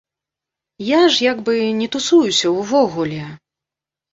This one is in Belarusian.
Я ж як бы не тусуюся ўвогуле.